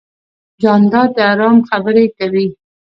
جانداد د ارام خبرې کوي.